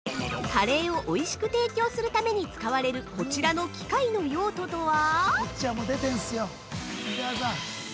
◆カレーをおいしく提供するために使われるこちらの機械の用途とは？